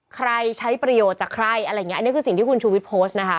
ใช้ประโยชน์จากใครอะไรอย่างเงี้อันนี้คือสิ่งที่คุณชูวิทย์โพสต์นะคะ